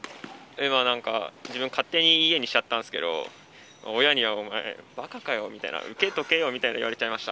なんか自分、勝手にいいえにしちゃったんですけど、親には、お前、ばかかよみたいな、受けとけよみたいに言われちゃいました。